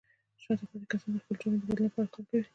شاته پاتې کسان د خپلې ټولنې د بدلون لپاره کار کوي.